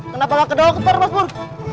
kenapa bawa ke dokter mas pur